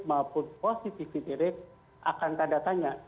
maupun positifitas akan tanda tanya